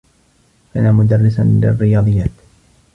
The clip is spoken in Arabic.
كان مدرّسا للرّياضيّات.